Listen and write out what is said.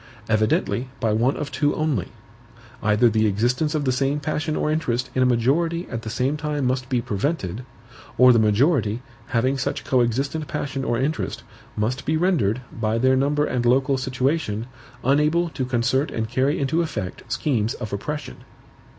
Evidently by one of two only. Either the existence of the same passion or interest in a majority at the same time must be prevented, or the majority, having such coexistent passion or interest, must be rendered, by their number and local situation, unable to concert and carry into effect schemes of oppression.